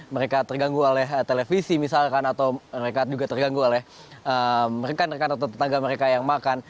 mereka terganggu oleh televisi misalkan atau mereka juga terganggu oleh rekan rekan atau tetangga mereka yang makan